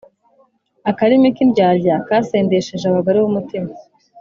Akarimi k’indyarya kasendesheje abagore b’umutima,